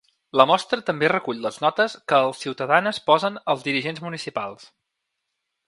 La mostra també recull les notes que els ciutadanes posen als dirigents municipals.